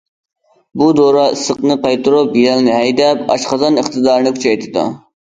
بۇ دورا ئىسسىقنى قايتۇرۇپ، يەلنى ھەيدەپ، ئاشقازان ئىقتىدارىنى كۈچەيتىدۇ.